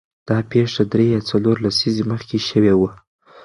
دا پېښه درې یا څلور لسیزې مخکې شوې وه.